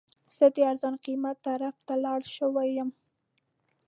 زه د ارزان قیمت طرف ته لاړ شوی یم.